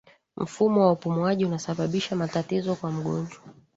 mfumo wa upumuaji unasababisha matatizo kwa mgonjwa